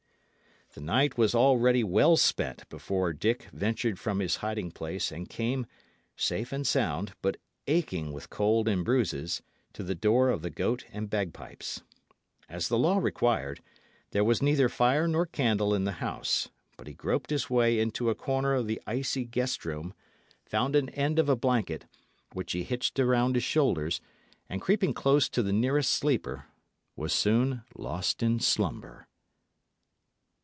The night was already well spent before Dick ventured from his hiding place and came, safe and sound, but aching with cold and bruises, to the door of the Goat and Bagpipes. As the law required, there was neither fire nor candle in the house; but he groped his way into a corner of the icy guest room, found an end of a blanket, which he hitched around his shoulders, and creeping close to the nearest sleeper, was soon lost in slumber.